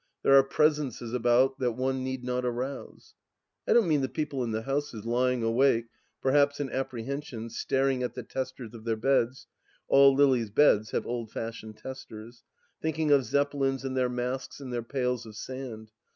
... There are presences about that one need not arouse. ... I don't mean the people in the houses, lying awake, perhaps in apprehension, staring at the testers of their beds (all Lily's beds have old fashioned testers), thinking of Zeppelins and their masks and their pails of sand.